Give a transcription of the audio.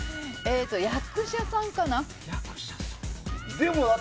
役者さんかな。